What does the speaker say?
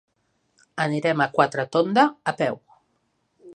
Anirem a Quatretonda a peu.